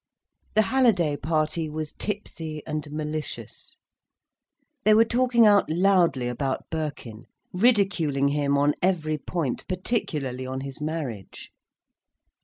The Halliday party was tipsy, and malicious. They were talking out loudly about Birkin, ridiculing him on every point, particularly on his marriage.